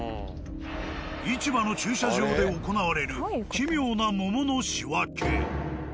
市場の駐車場で行われる奇妙な桃の仕分け。